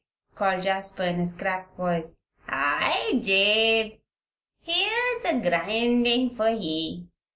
called Jasper, in his cracked voice. "Hi, Jabe! Here's a grindin' for ye.